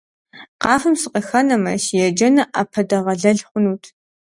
Къафэм сыкъыхэнэмэ, си еджэныр Ӏэпэдэгъэлэл хъунут.